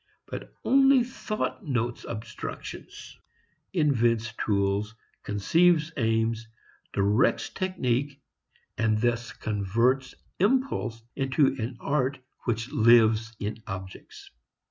But only thought notes obstructions, invents tools, conceives aims, directs technique, and thus converts impulse into an art which lives in objects.